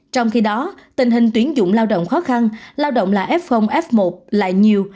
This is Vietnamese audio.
trong khi đó tình hình tuyến dụng lao động khó khăn lao động là f f một lại nhiều